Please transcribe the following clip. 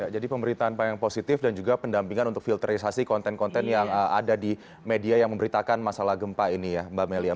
jadi pemberitaan yang positif dan juga pendampingan untuk filterisasi konten konten yang ada di media yang memberitakan masalah gempa ini ya mbak melia